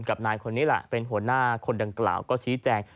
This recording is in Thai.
นายคนนี้แหละเป็นหัวหน้าคนดังกล่าวก็ชี้แจง